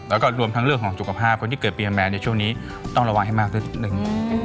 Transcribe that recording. แล้วก็รวมทั้งเรื่องของสุขภาพคนที่เกิดปีแมนในช่วงนี้ต้องระวังให้มากสักหนึ่ง